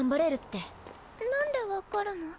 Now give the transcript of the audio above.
なんで分かるの？